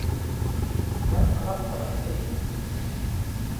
และรักษาศีล